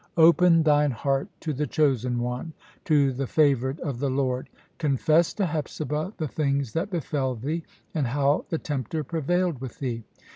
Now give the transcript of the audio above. Open thine heart to the chosen one, to the favoured of the Lord. Confess to Hepzibah the things that befell thee, and how the tempter prevailed with thee.